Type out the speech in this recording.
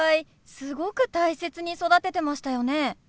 すごく大切に育ててましたよね。